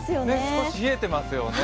少し冷えてますよね。